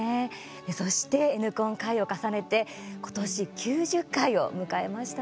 そして「Ｎコン」、回を重ねて今年９０回を迎えましたね。